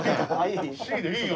「Ｃ」でいいよ。